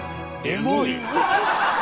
エモい。